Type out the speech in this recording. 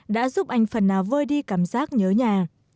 đã giúp anh phần nào vơi đi cảm giác nhớ nhà